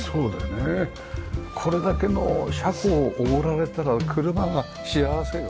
これだけの車庫をおごられたら車が幸せよ。